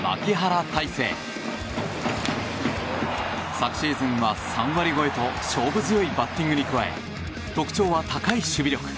昨シーズンは３割超えと勝負強いバッティングに加え特徴は高い守備力。